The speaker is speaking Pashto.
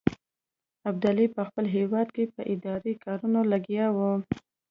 ابدالي په خپل هیواد کې په اداري کارونو لګیا وو.